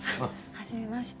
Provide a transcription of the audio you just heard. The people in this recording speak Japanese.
初めまして。